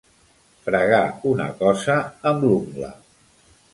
Fregar una cosa amb l'ungla.